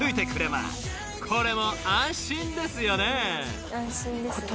［これも安心ですよね］